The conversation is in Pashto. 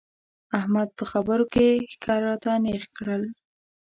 احمد په خبرو کې ښکر راته نېغ کړل.